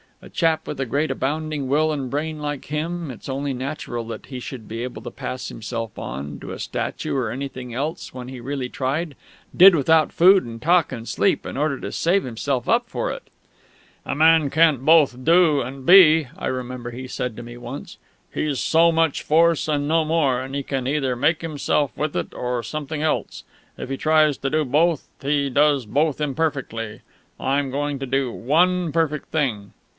A chap with a great abounding will and brain like him, it's only natural he should be able to pass himself on, to a statue or anything else, when he really tried did without food and talk and sleep in order to save himself up for it! "A man can't both do and be," I remember he said to me once. "He's so much force, no more, and he can either make himself with it or something else. If he tries to do both, he does both imperfectly. I'm going to do one perfect thing."